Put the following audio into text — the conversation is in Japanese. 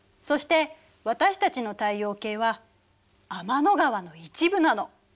そして私たちの太陽系は天の川の一部なの。